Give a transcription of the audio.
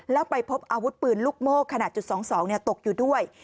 แล้วไปพบอาวุธปืนลูกโม่ขนาดจุด๒๒ตกอยู่ด้วย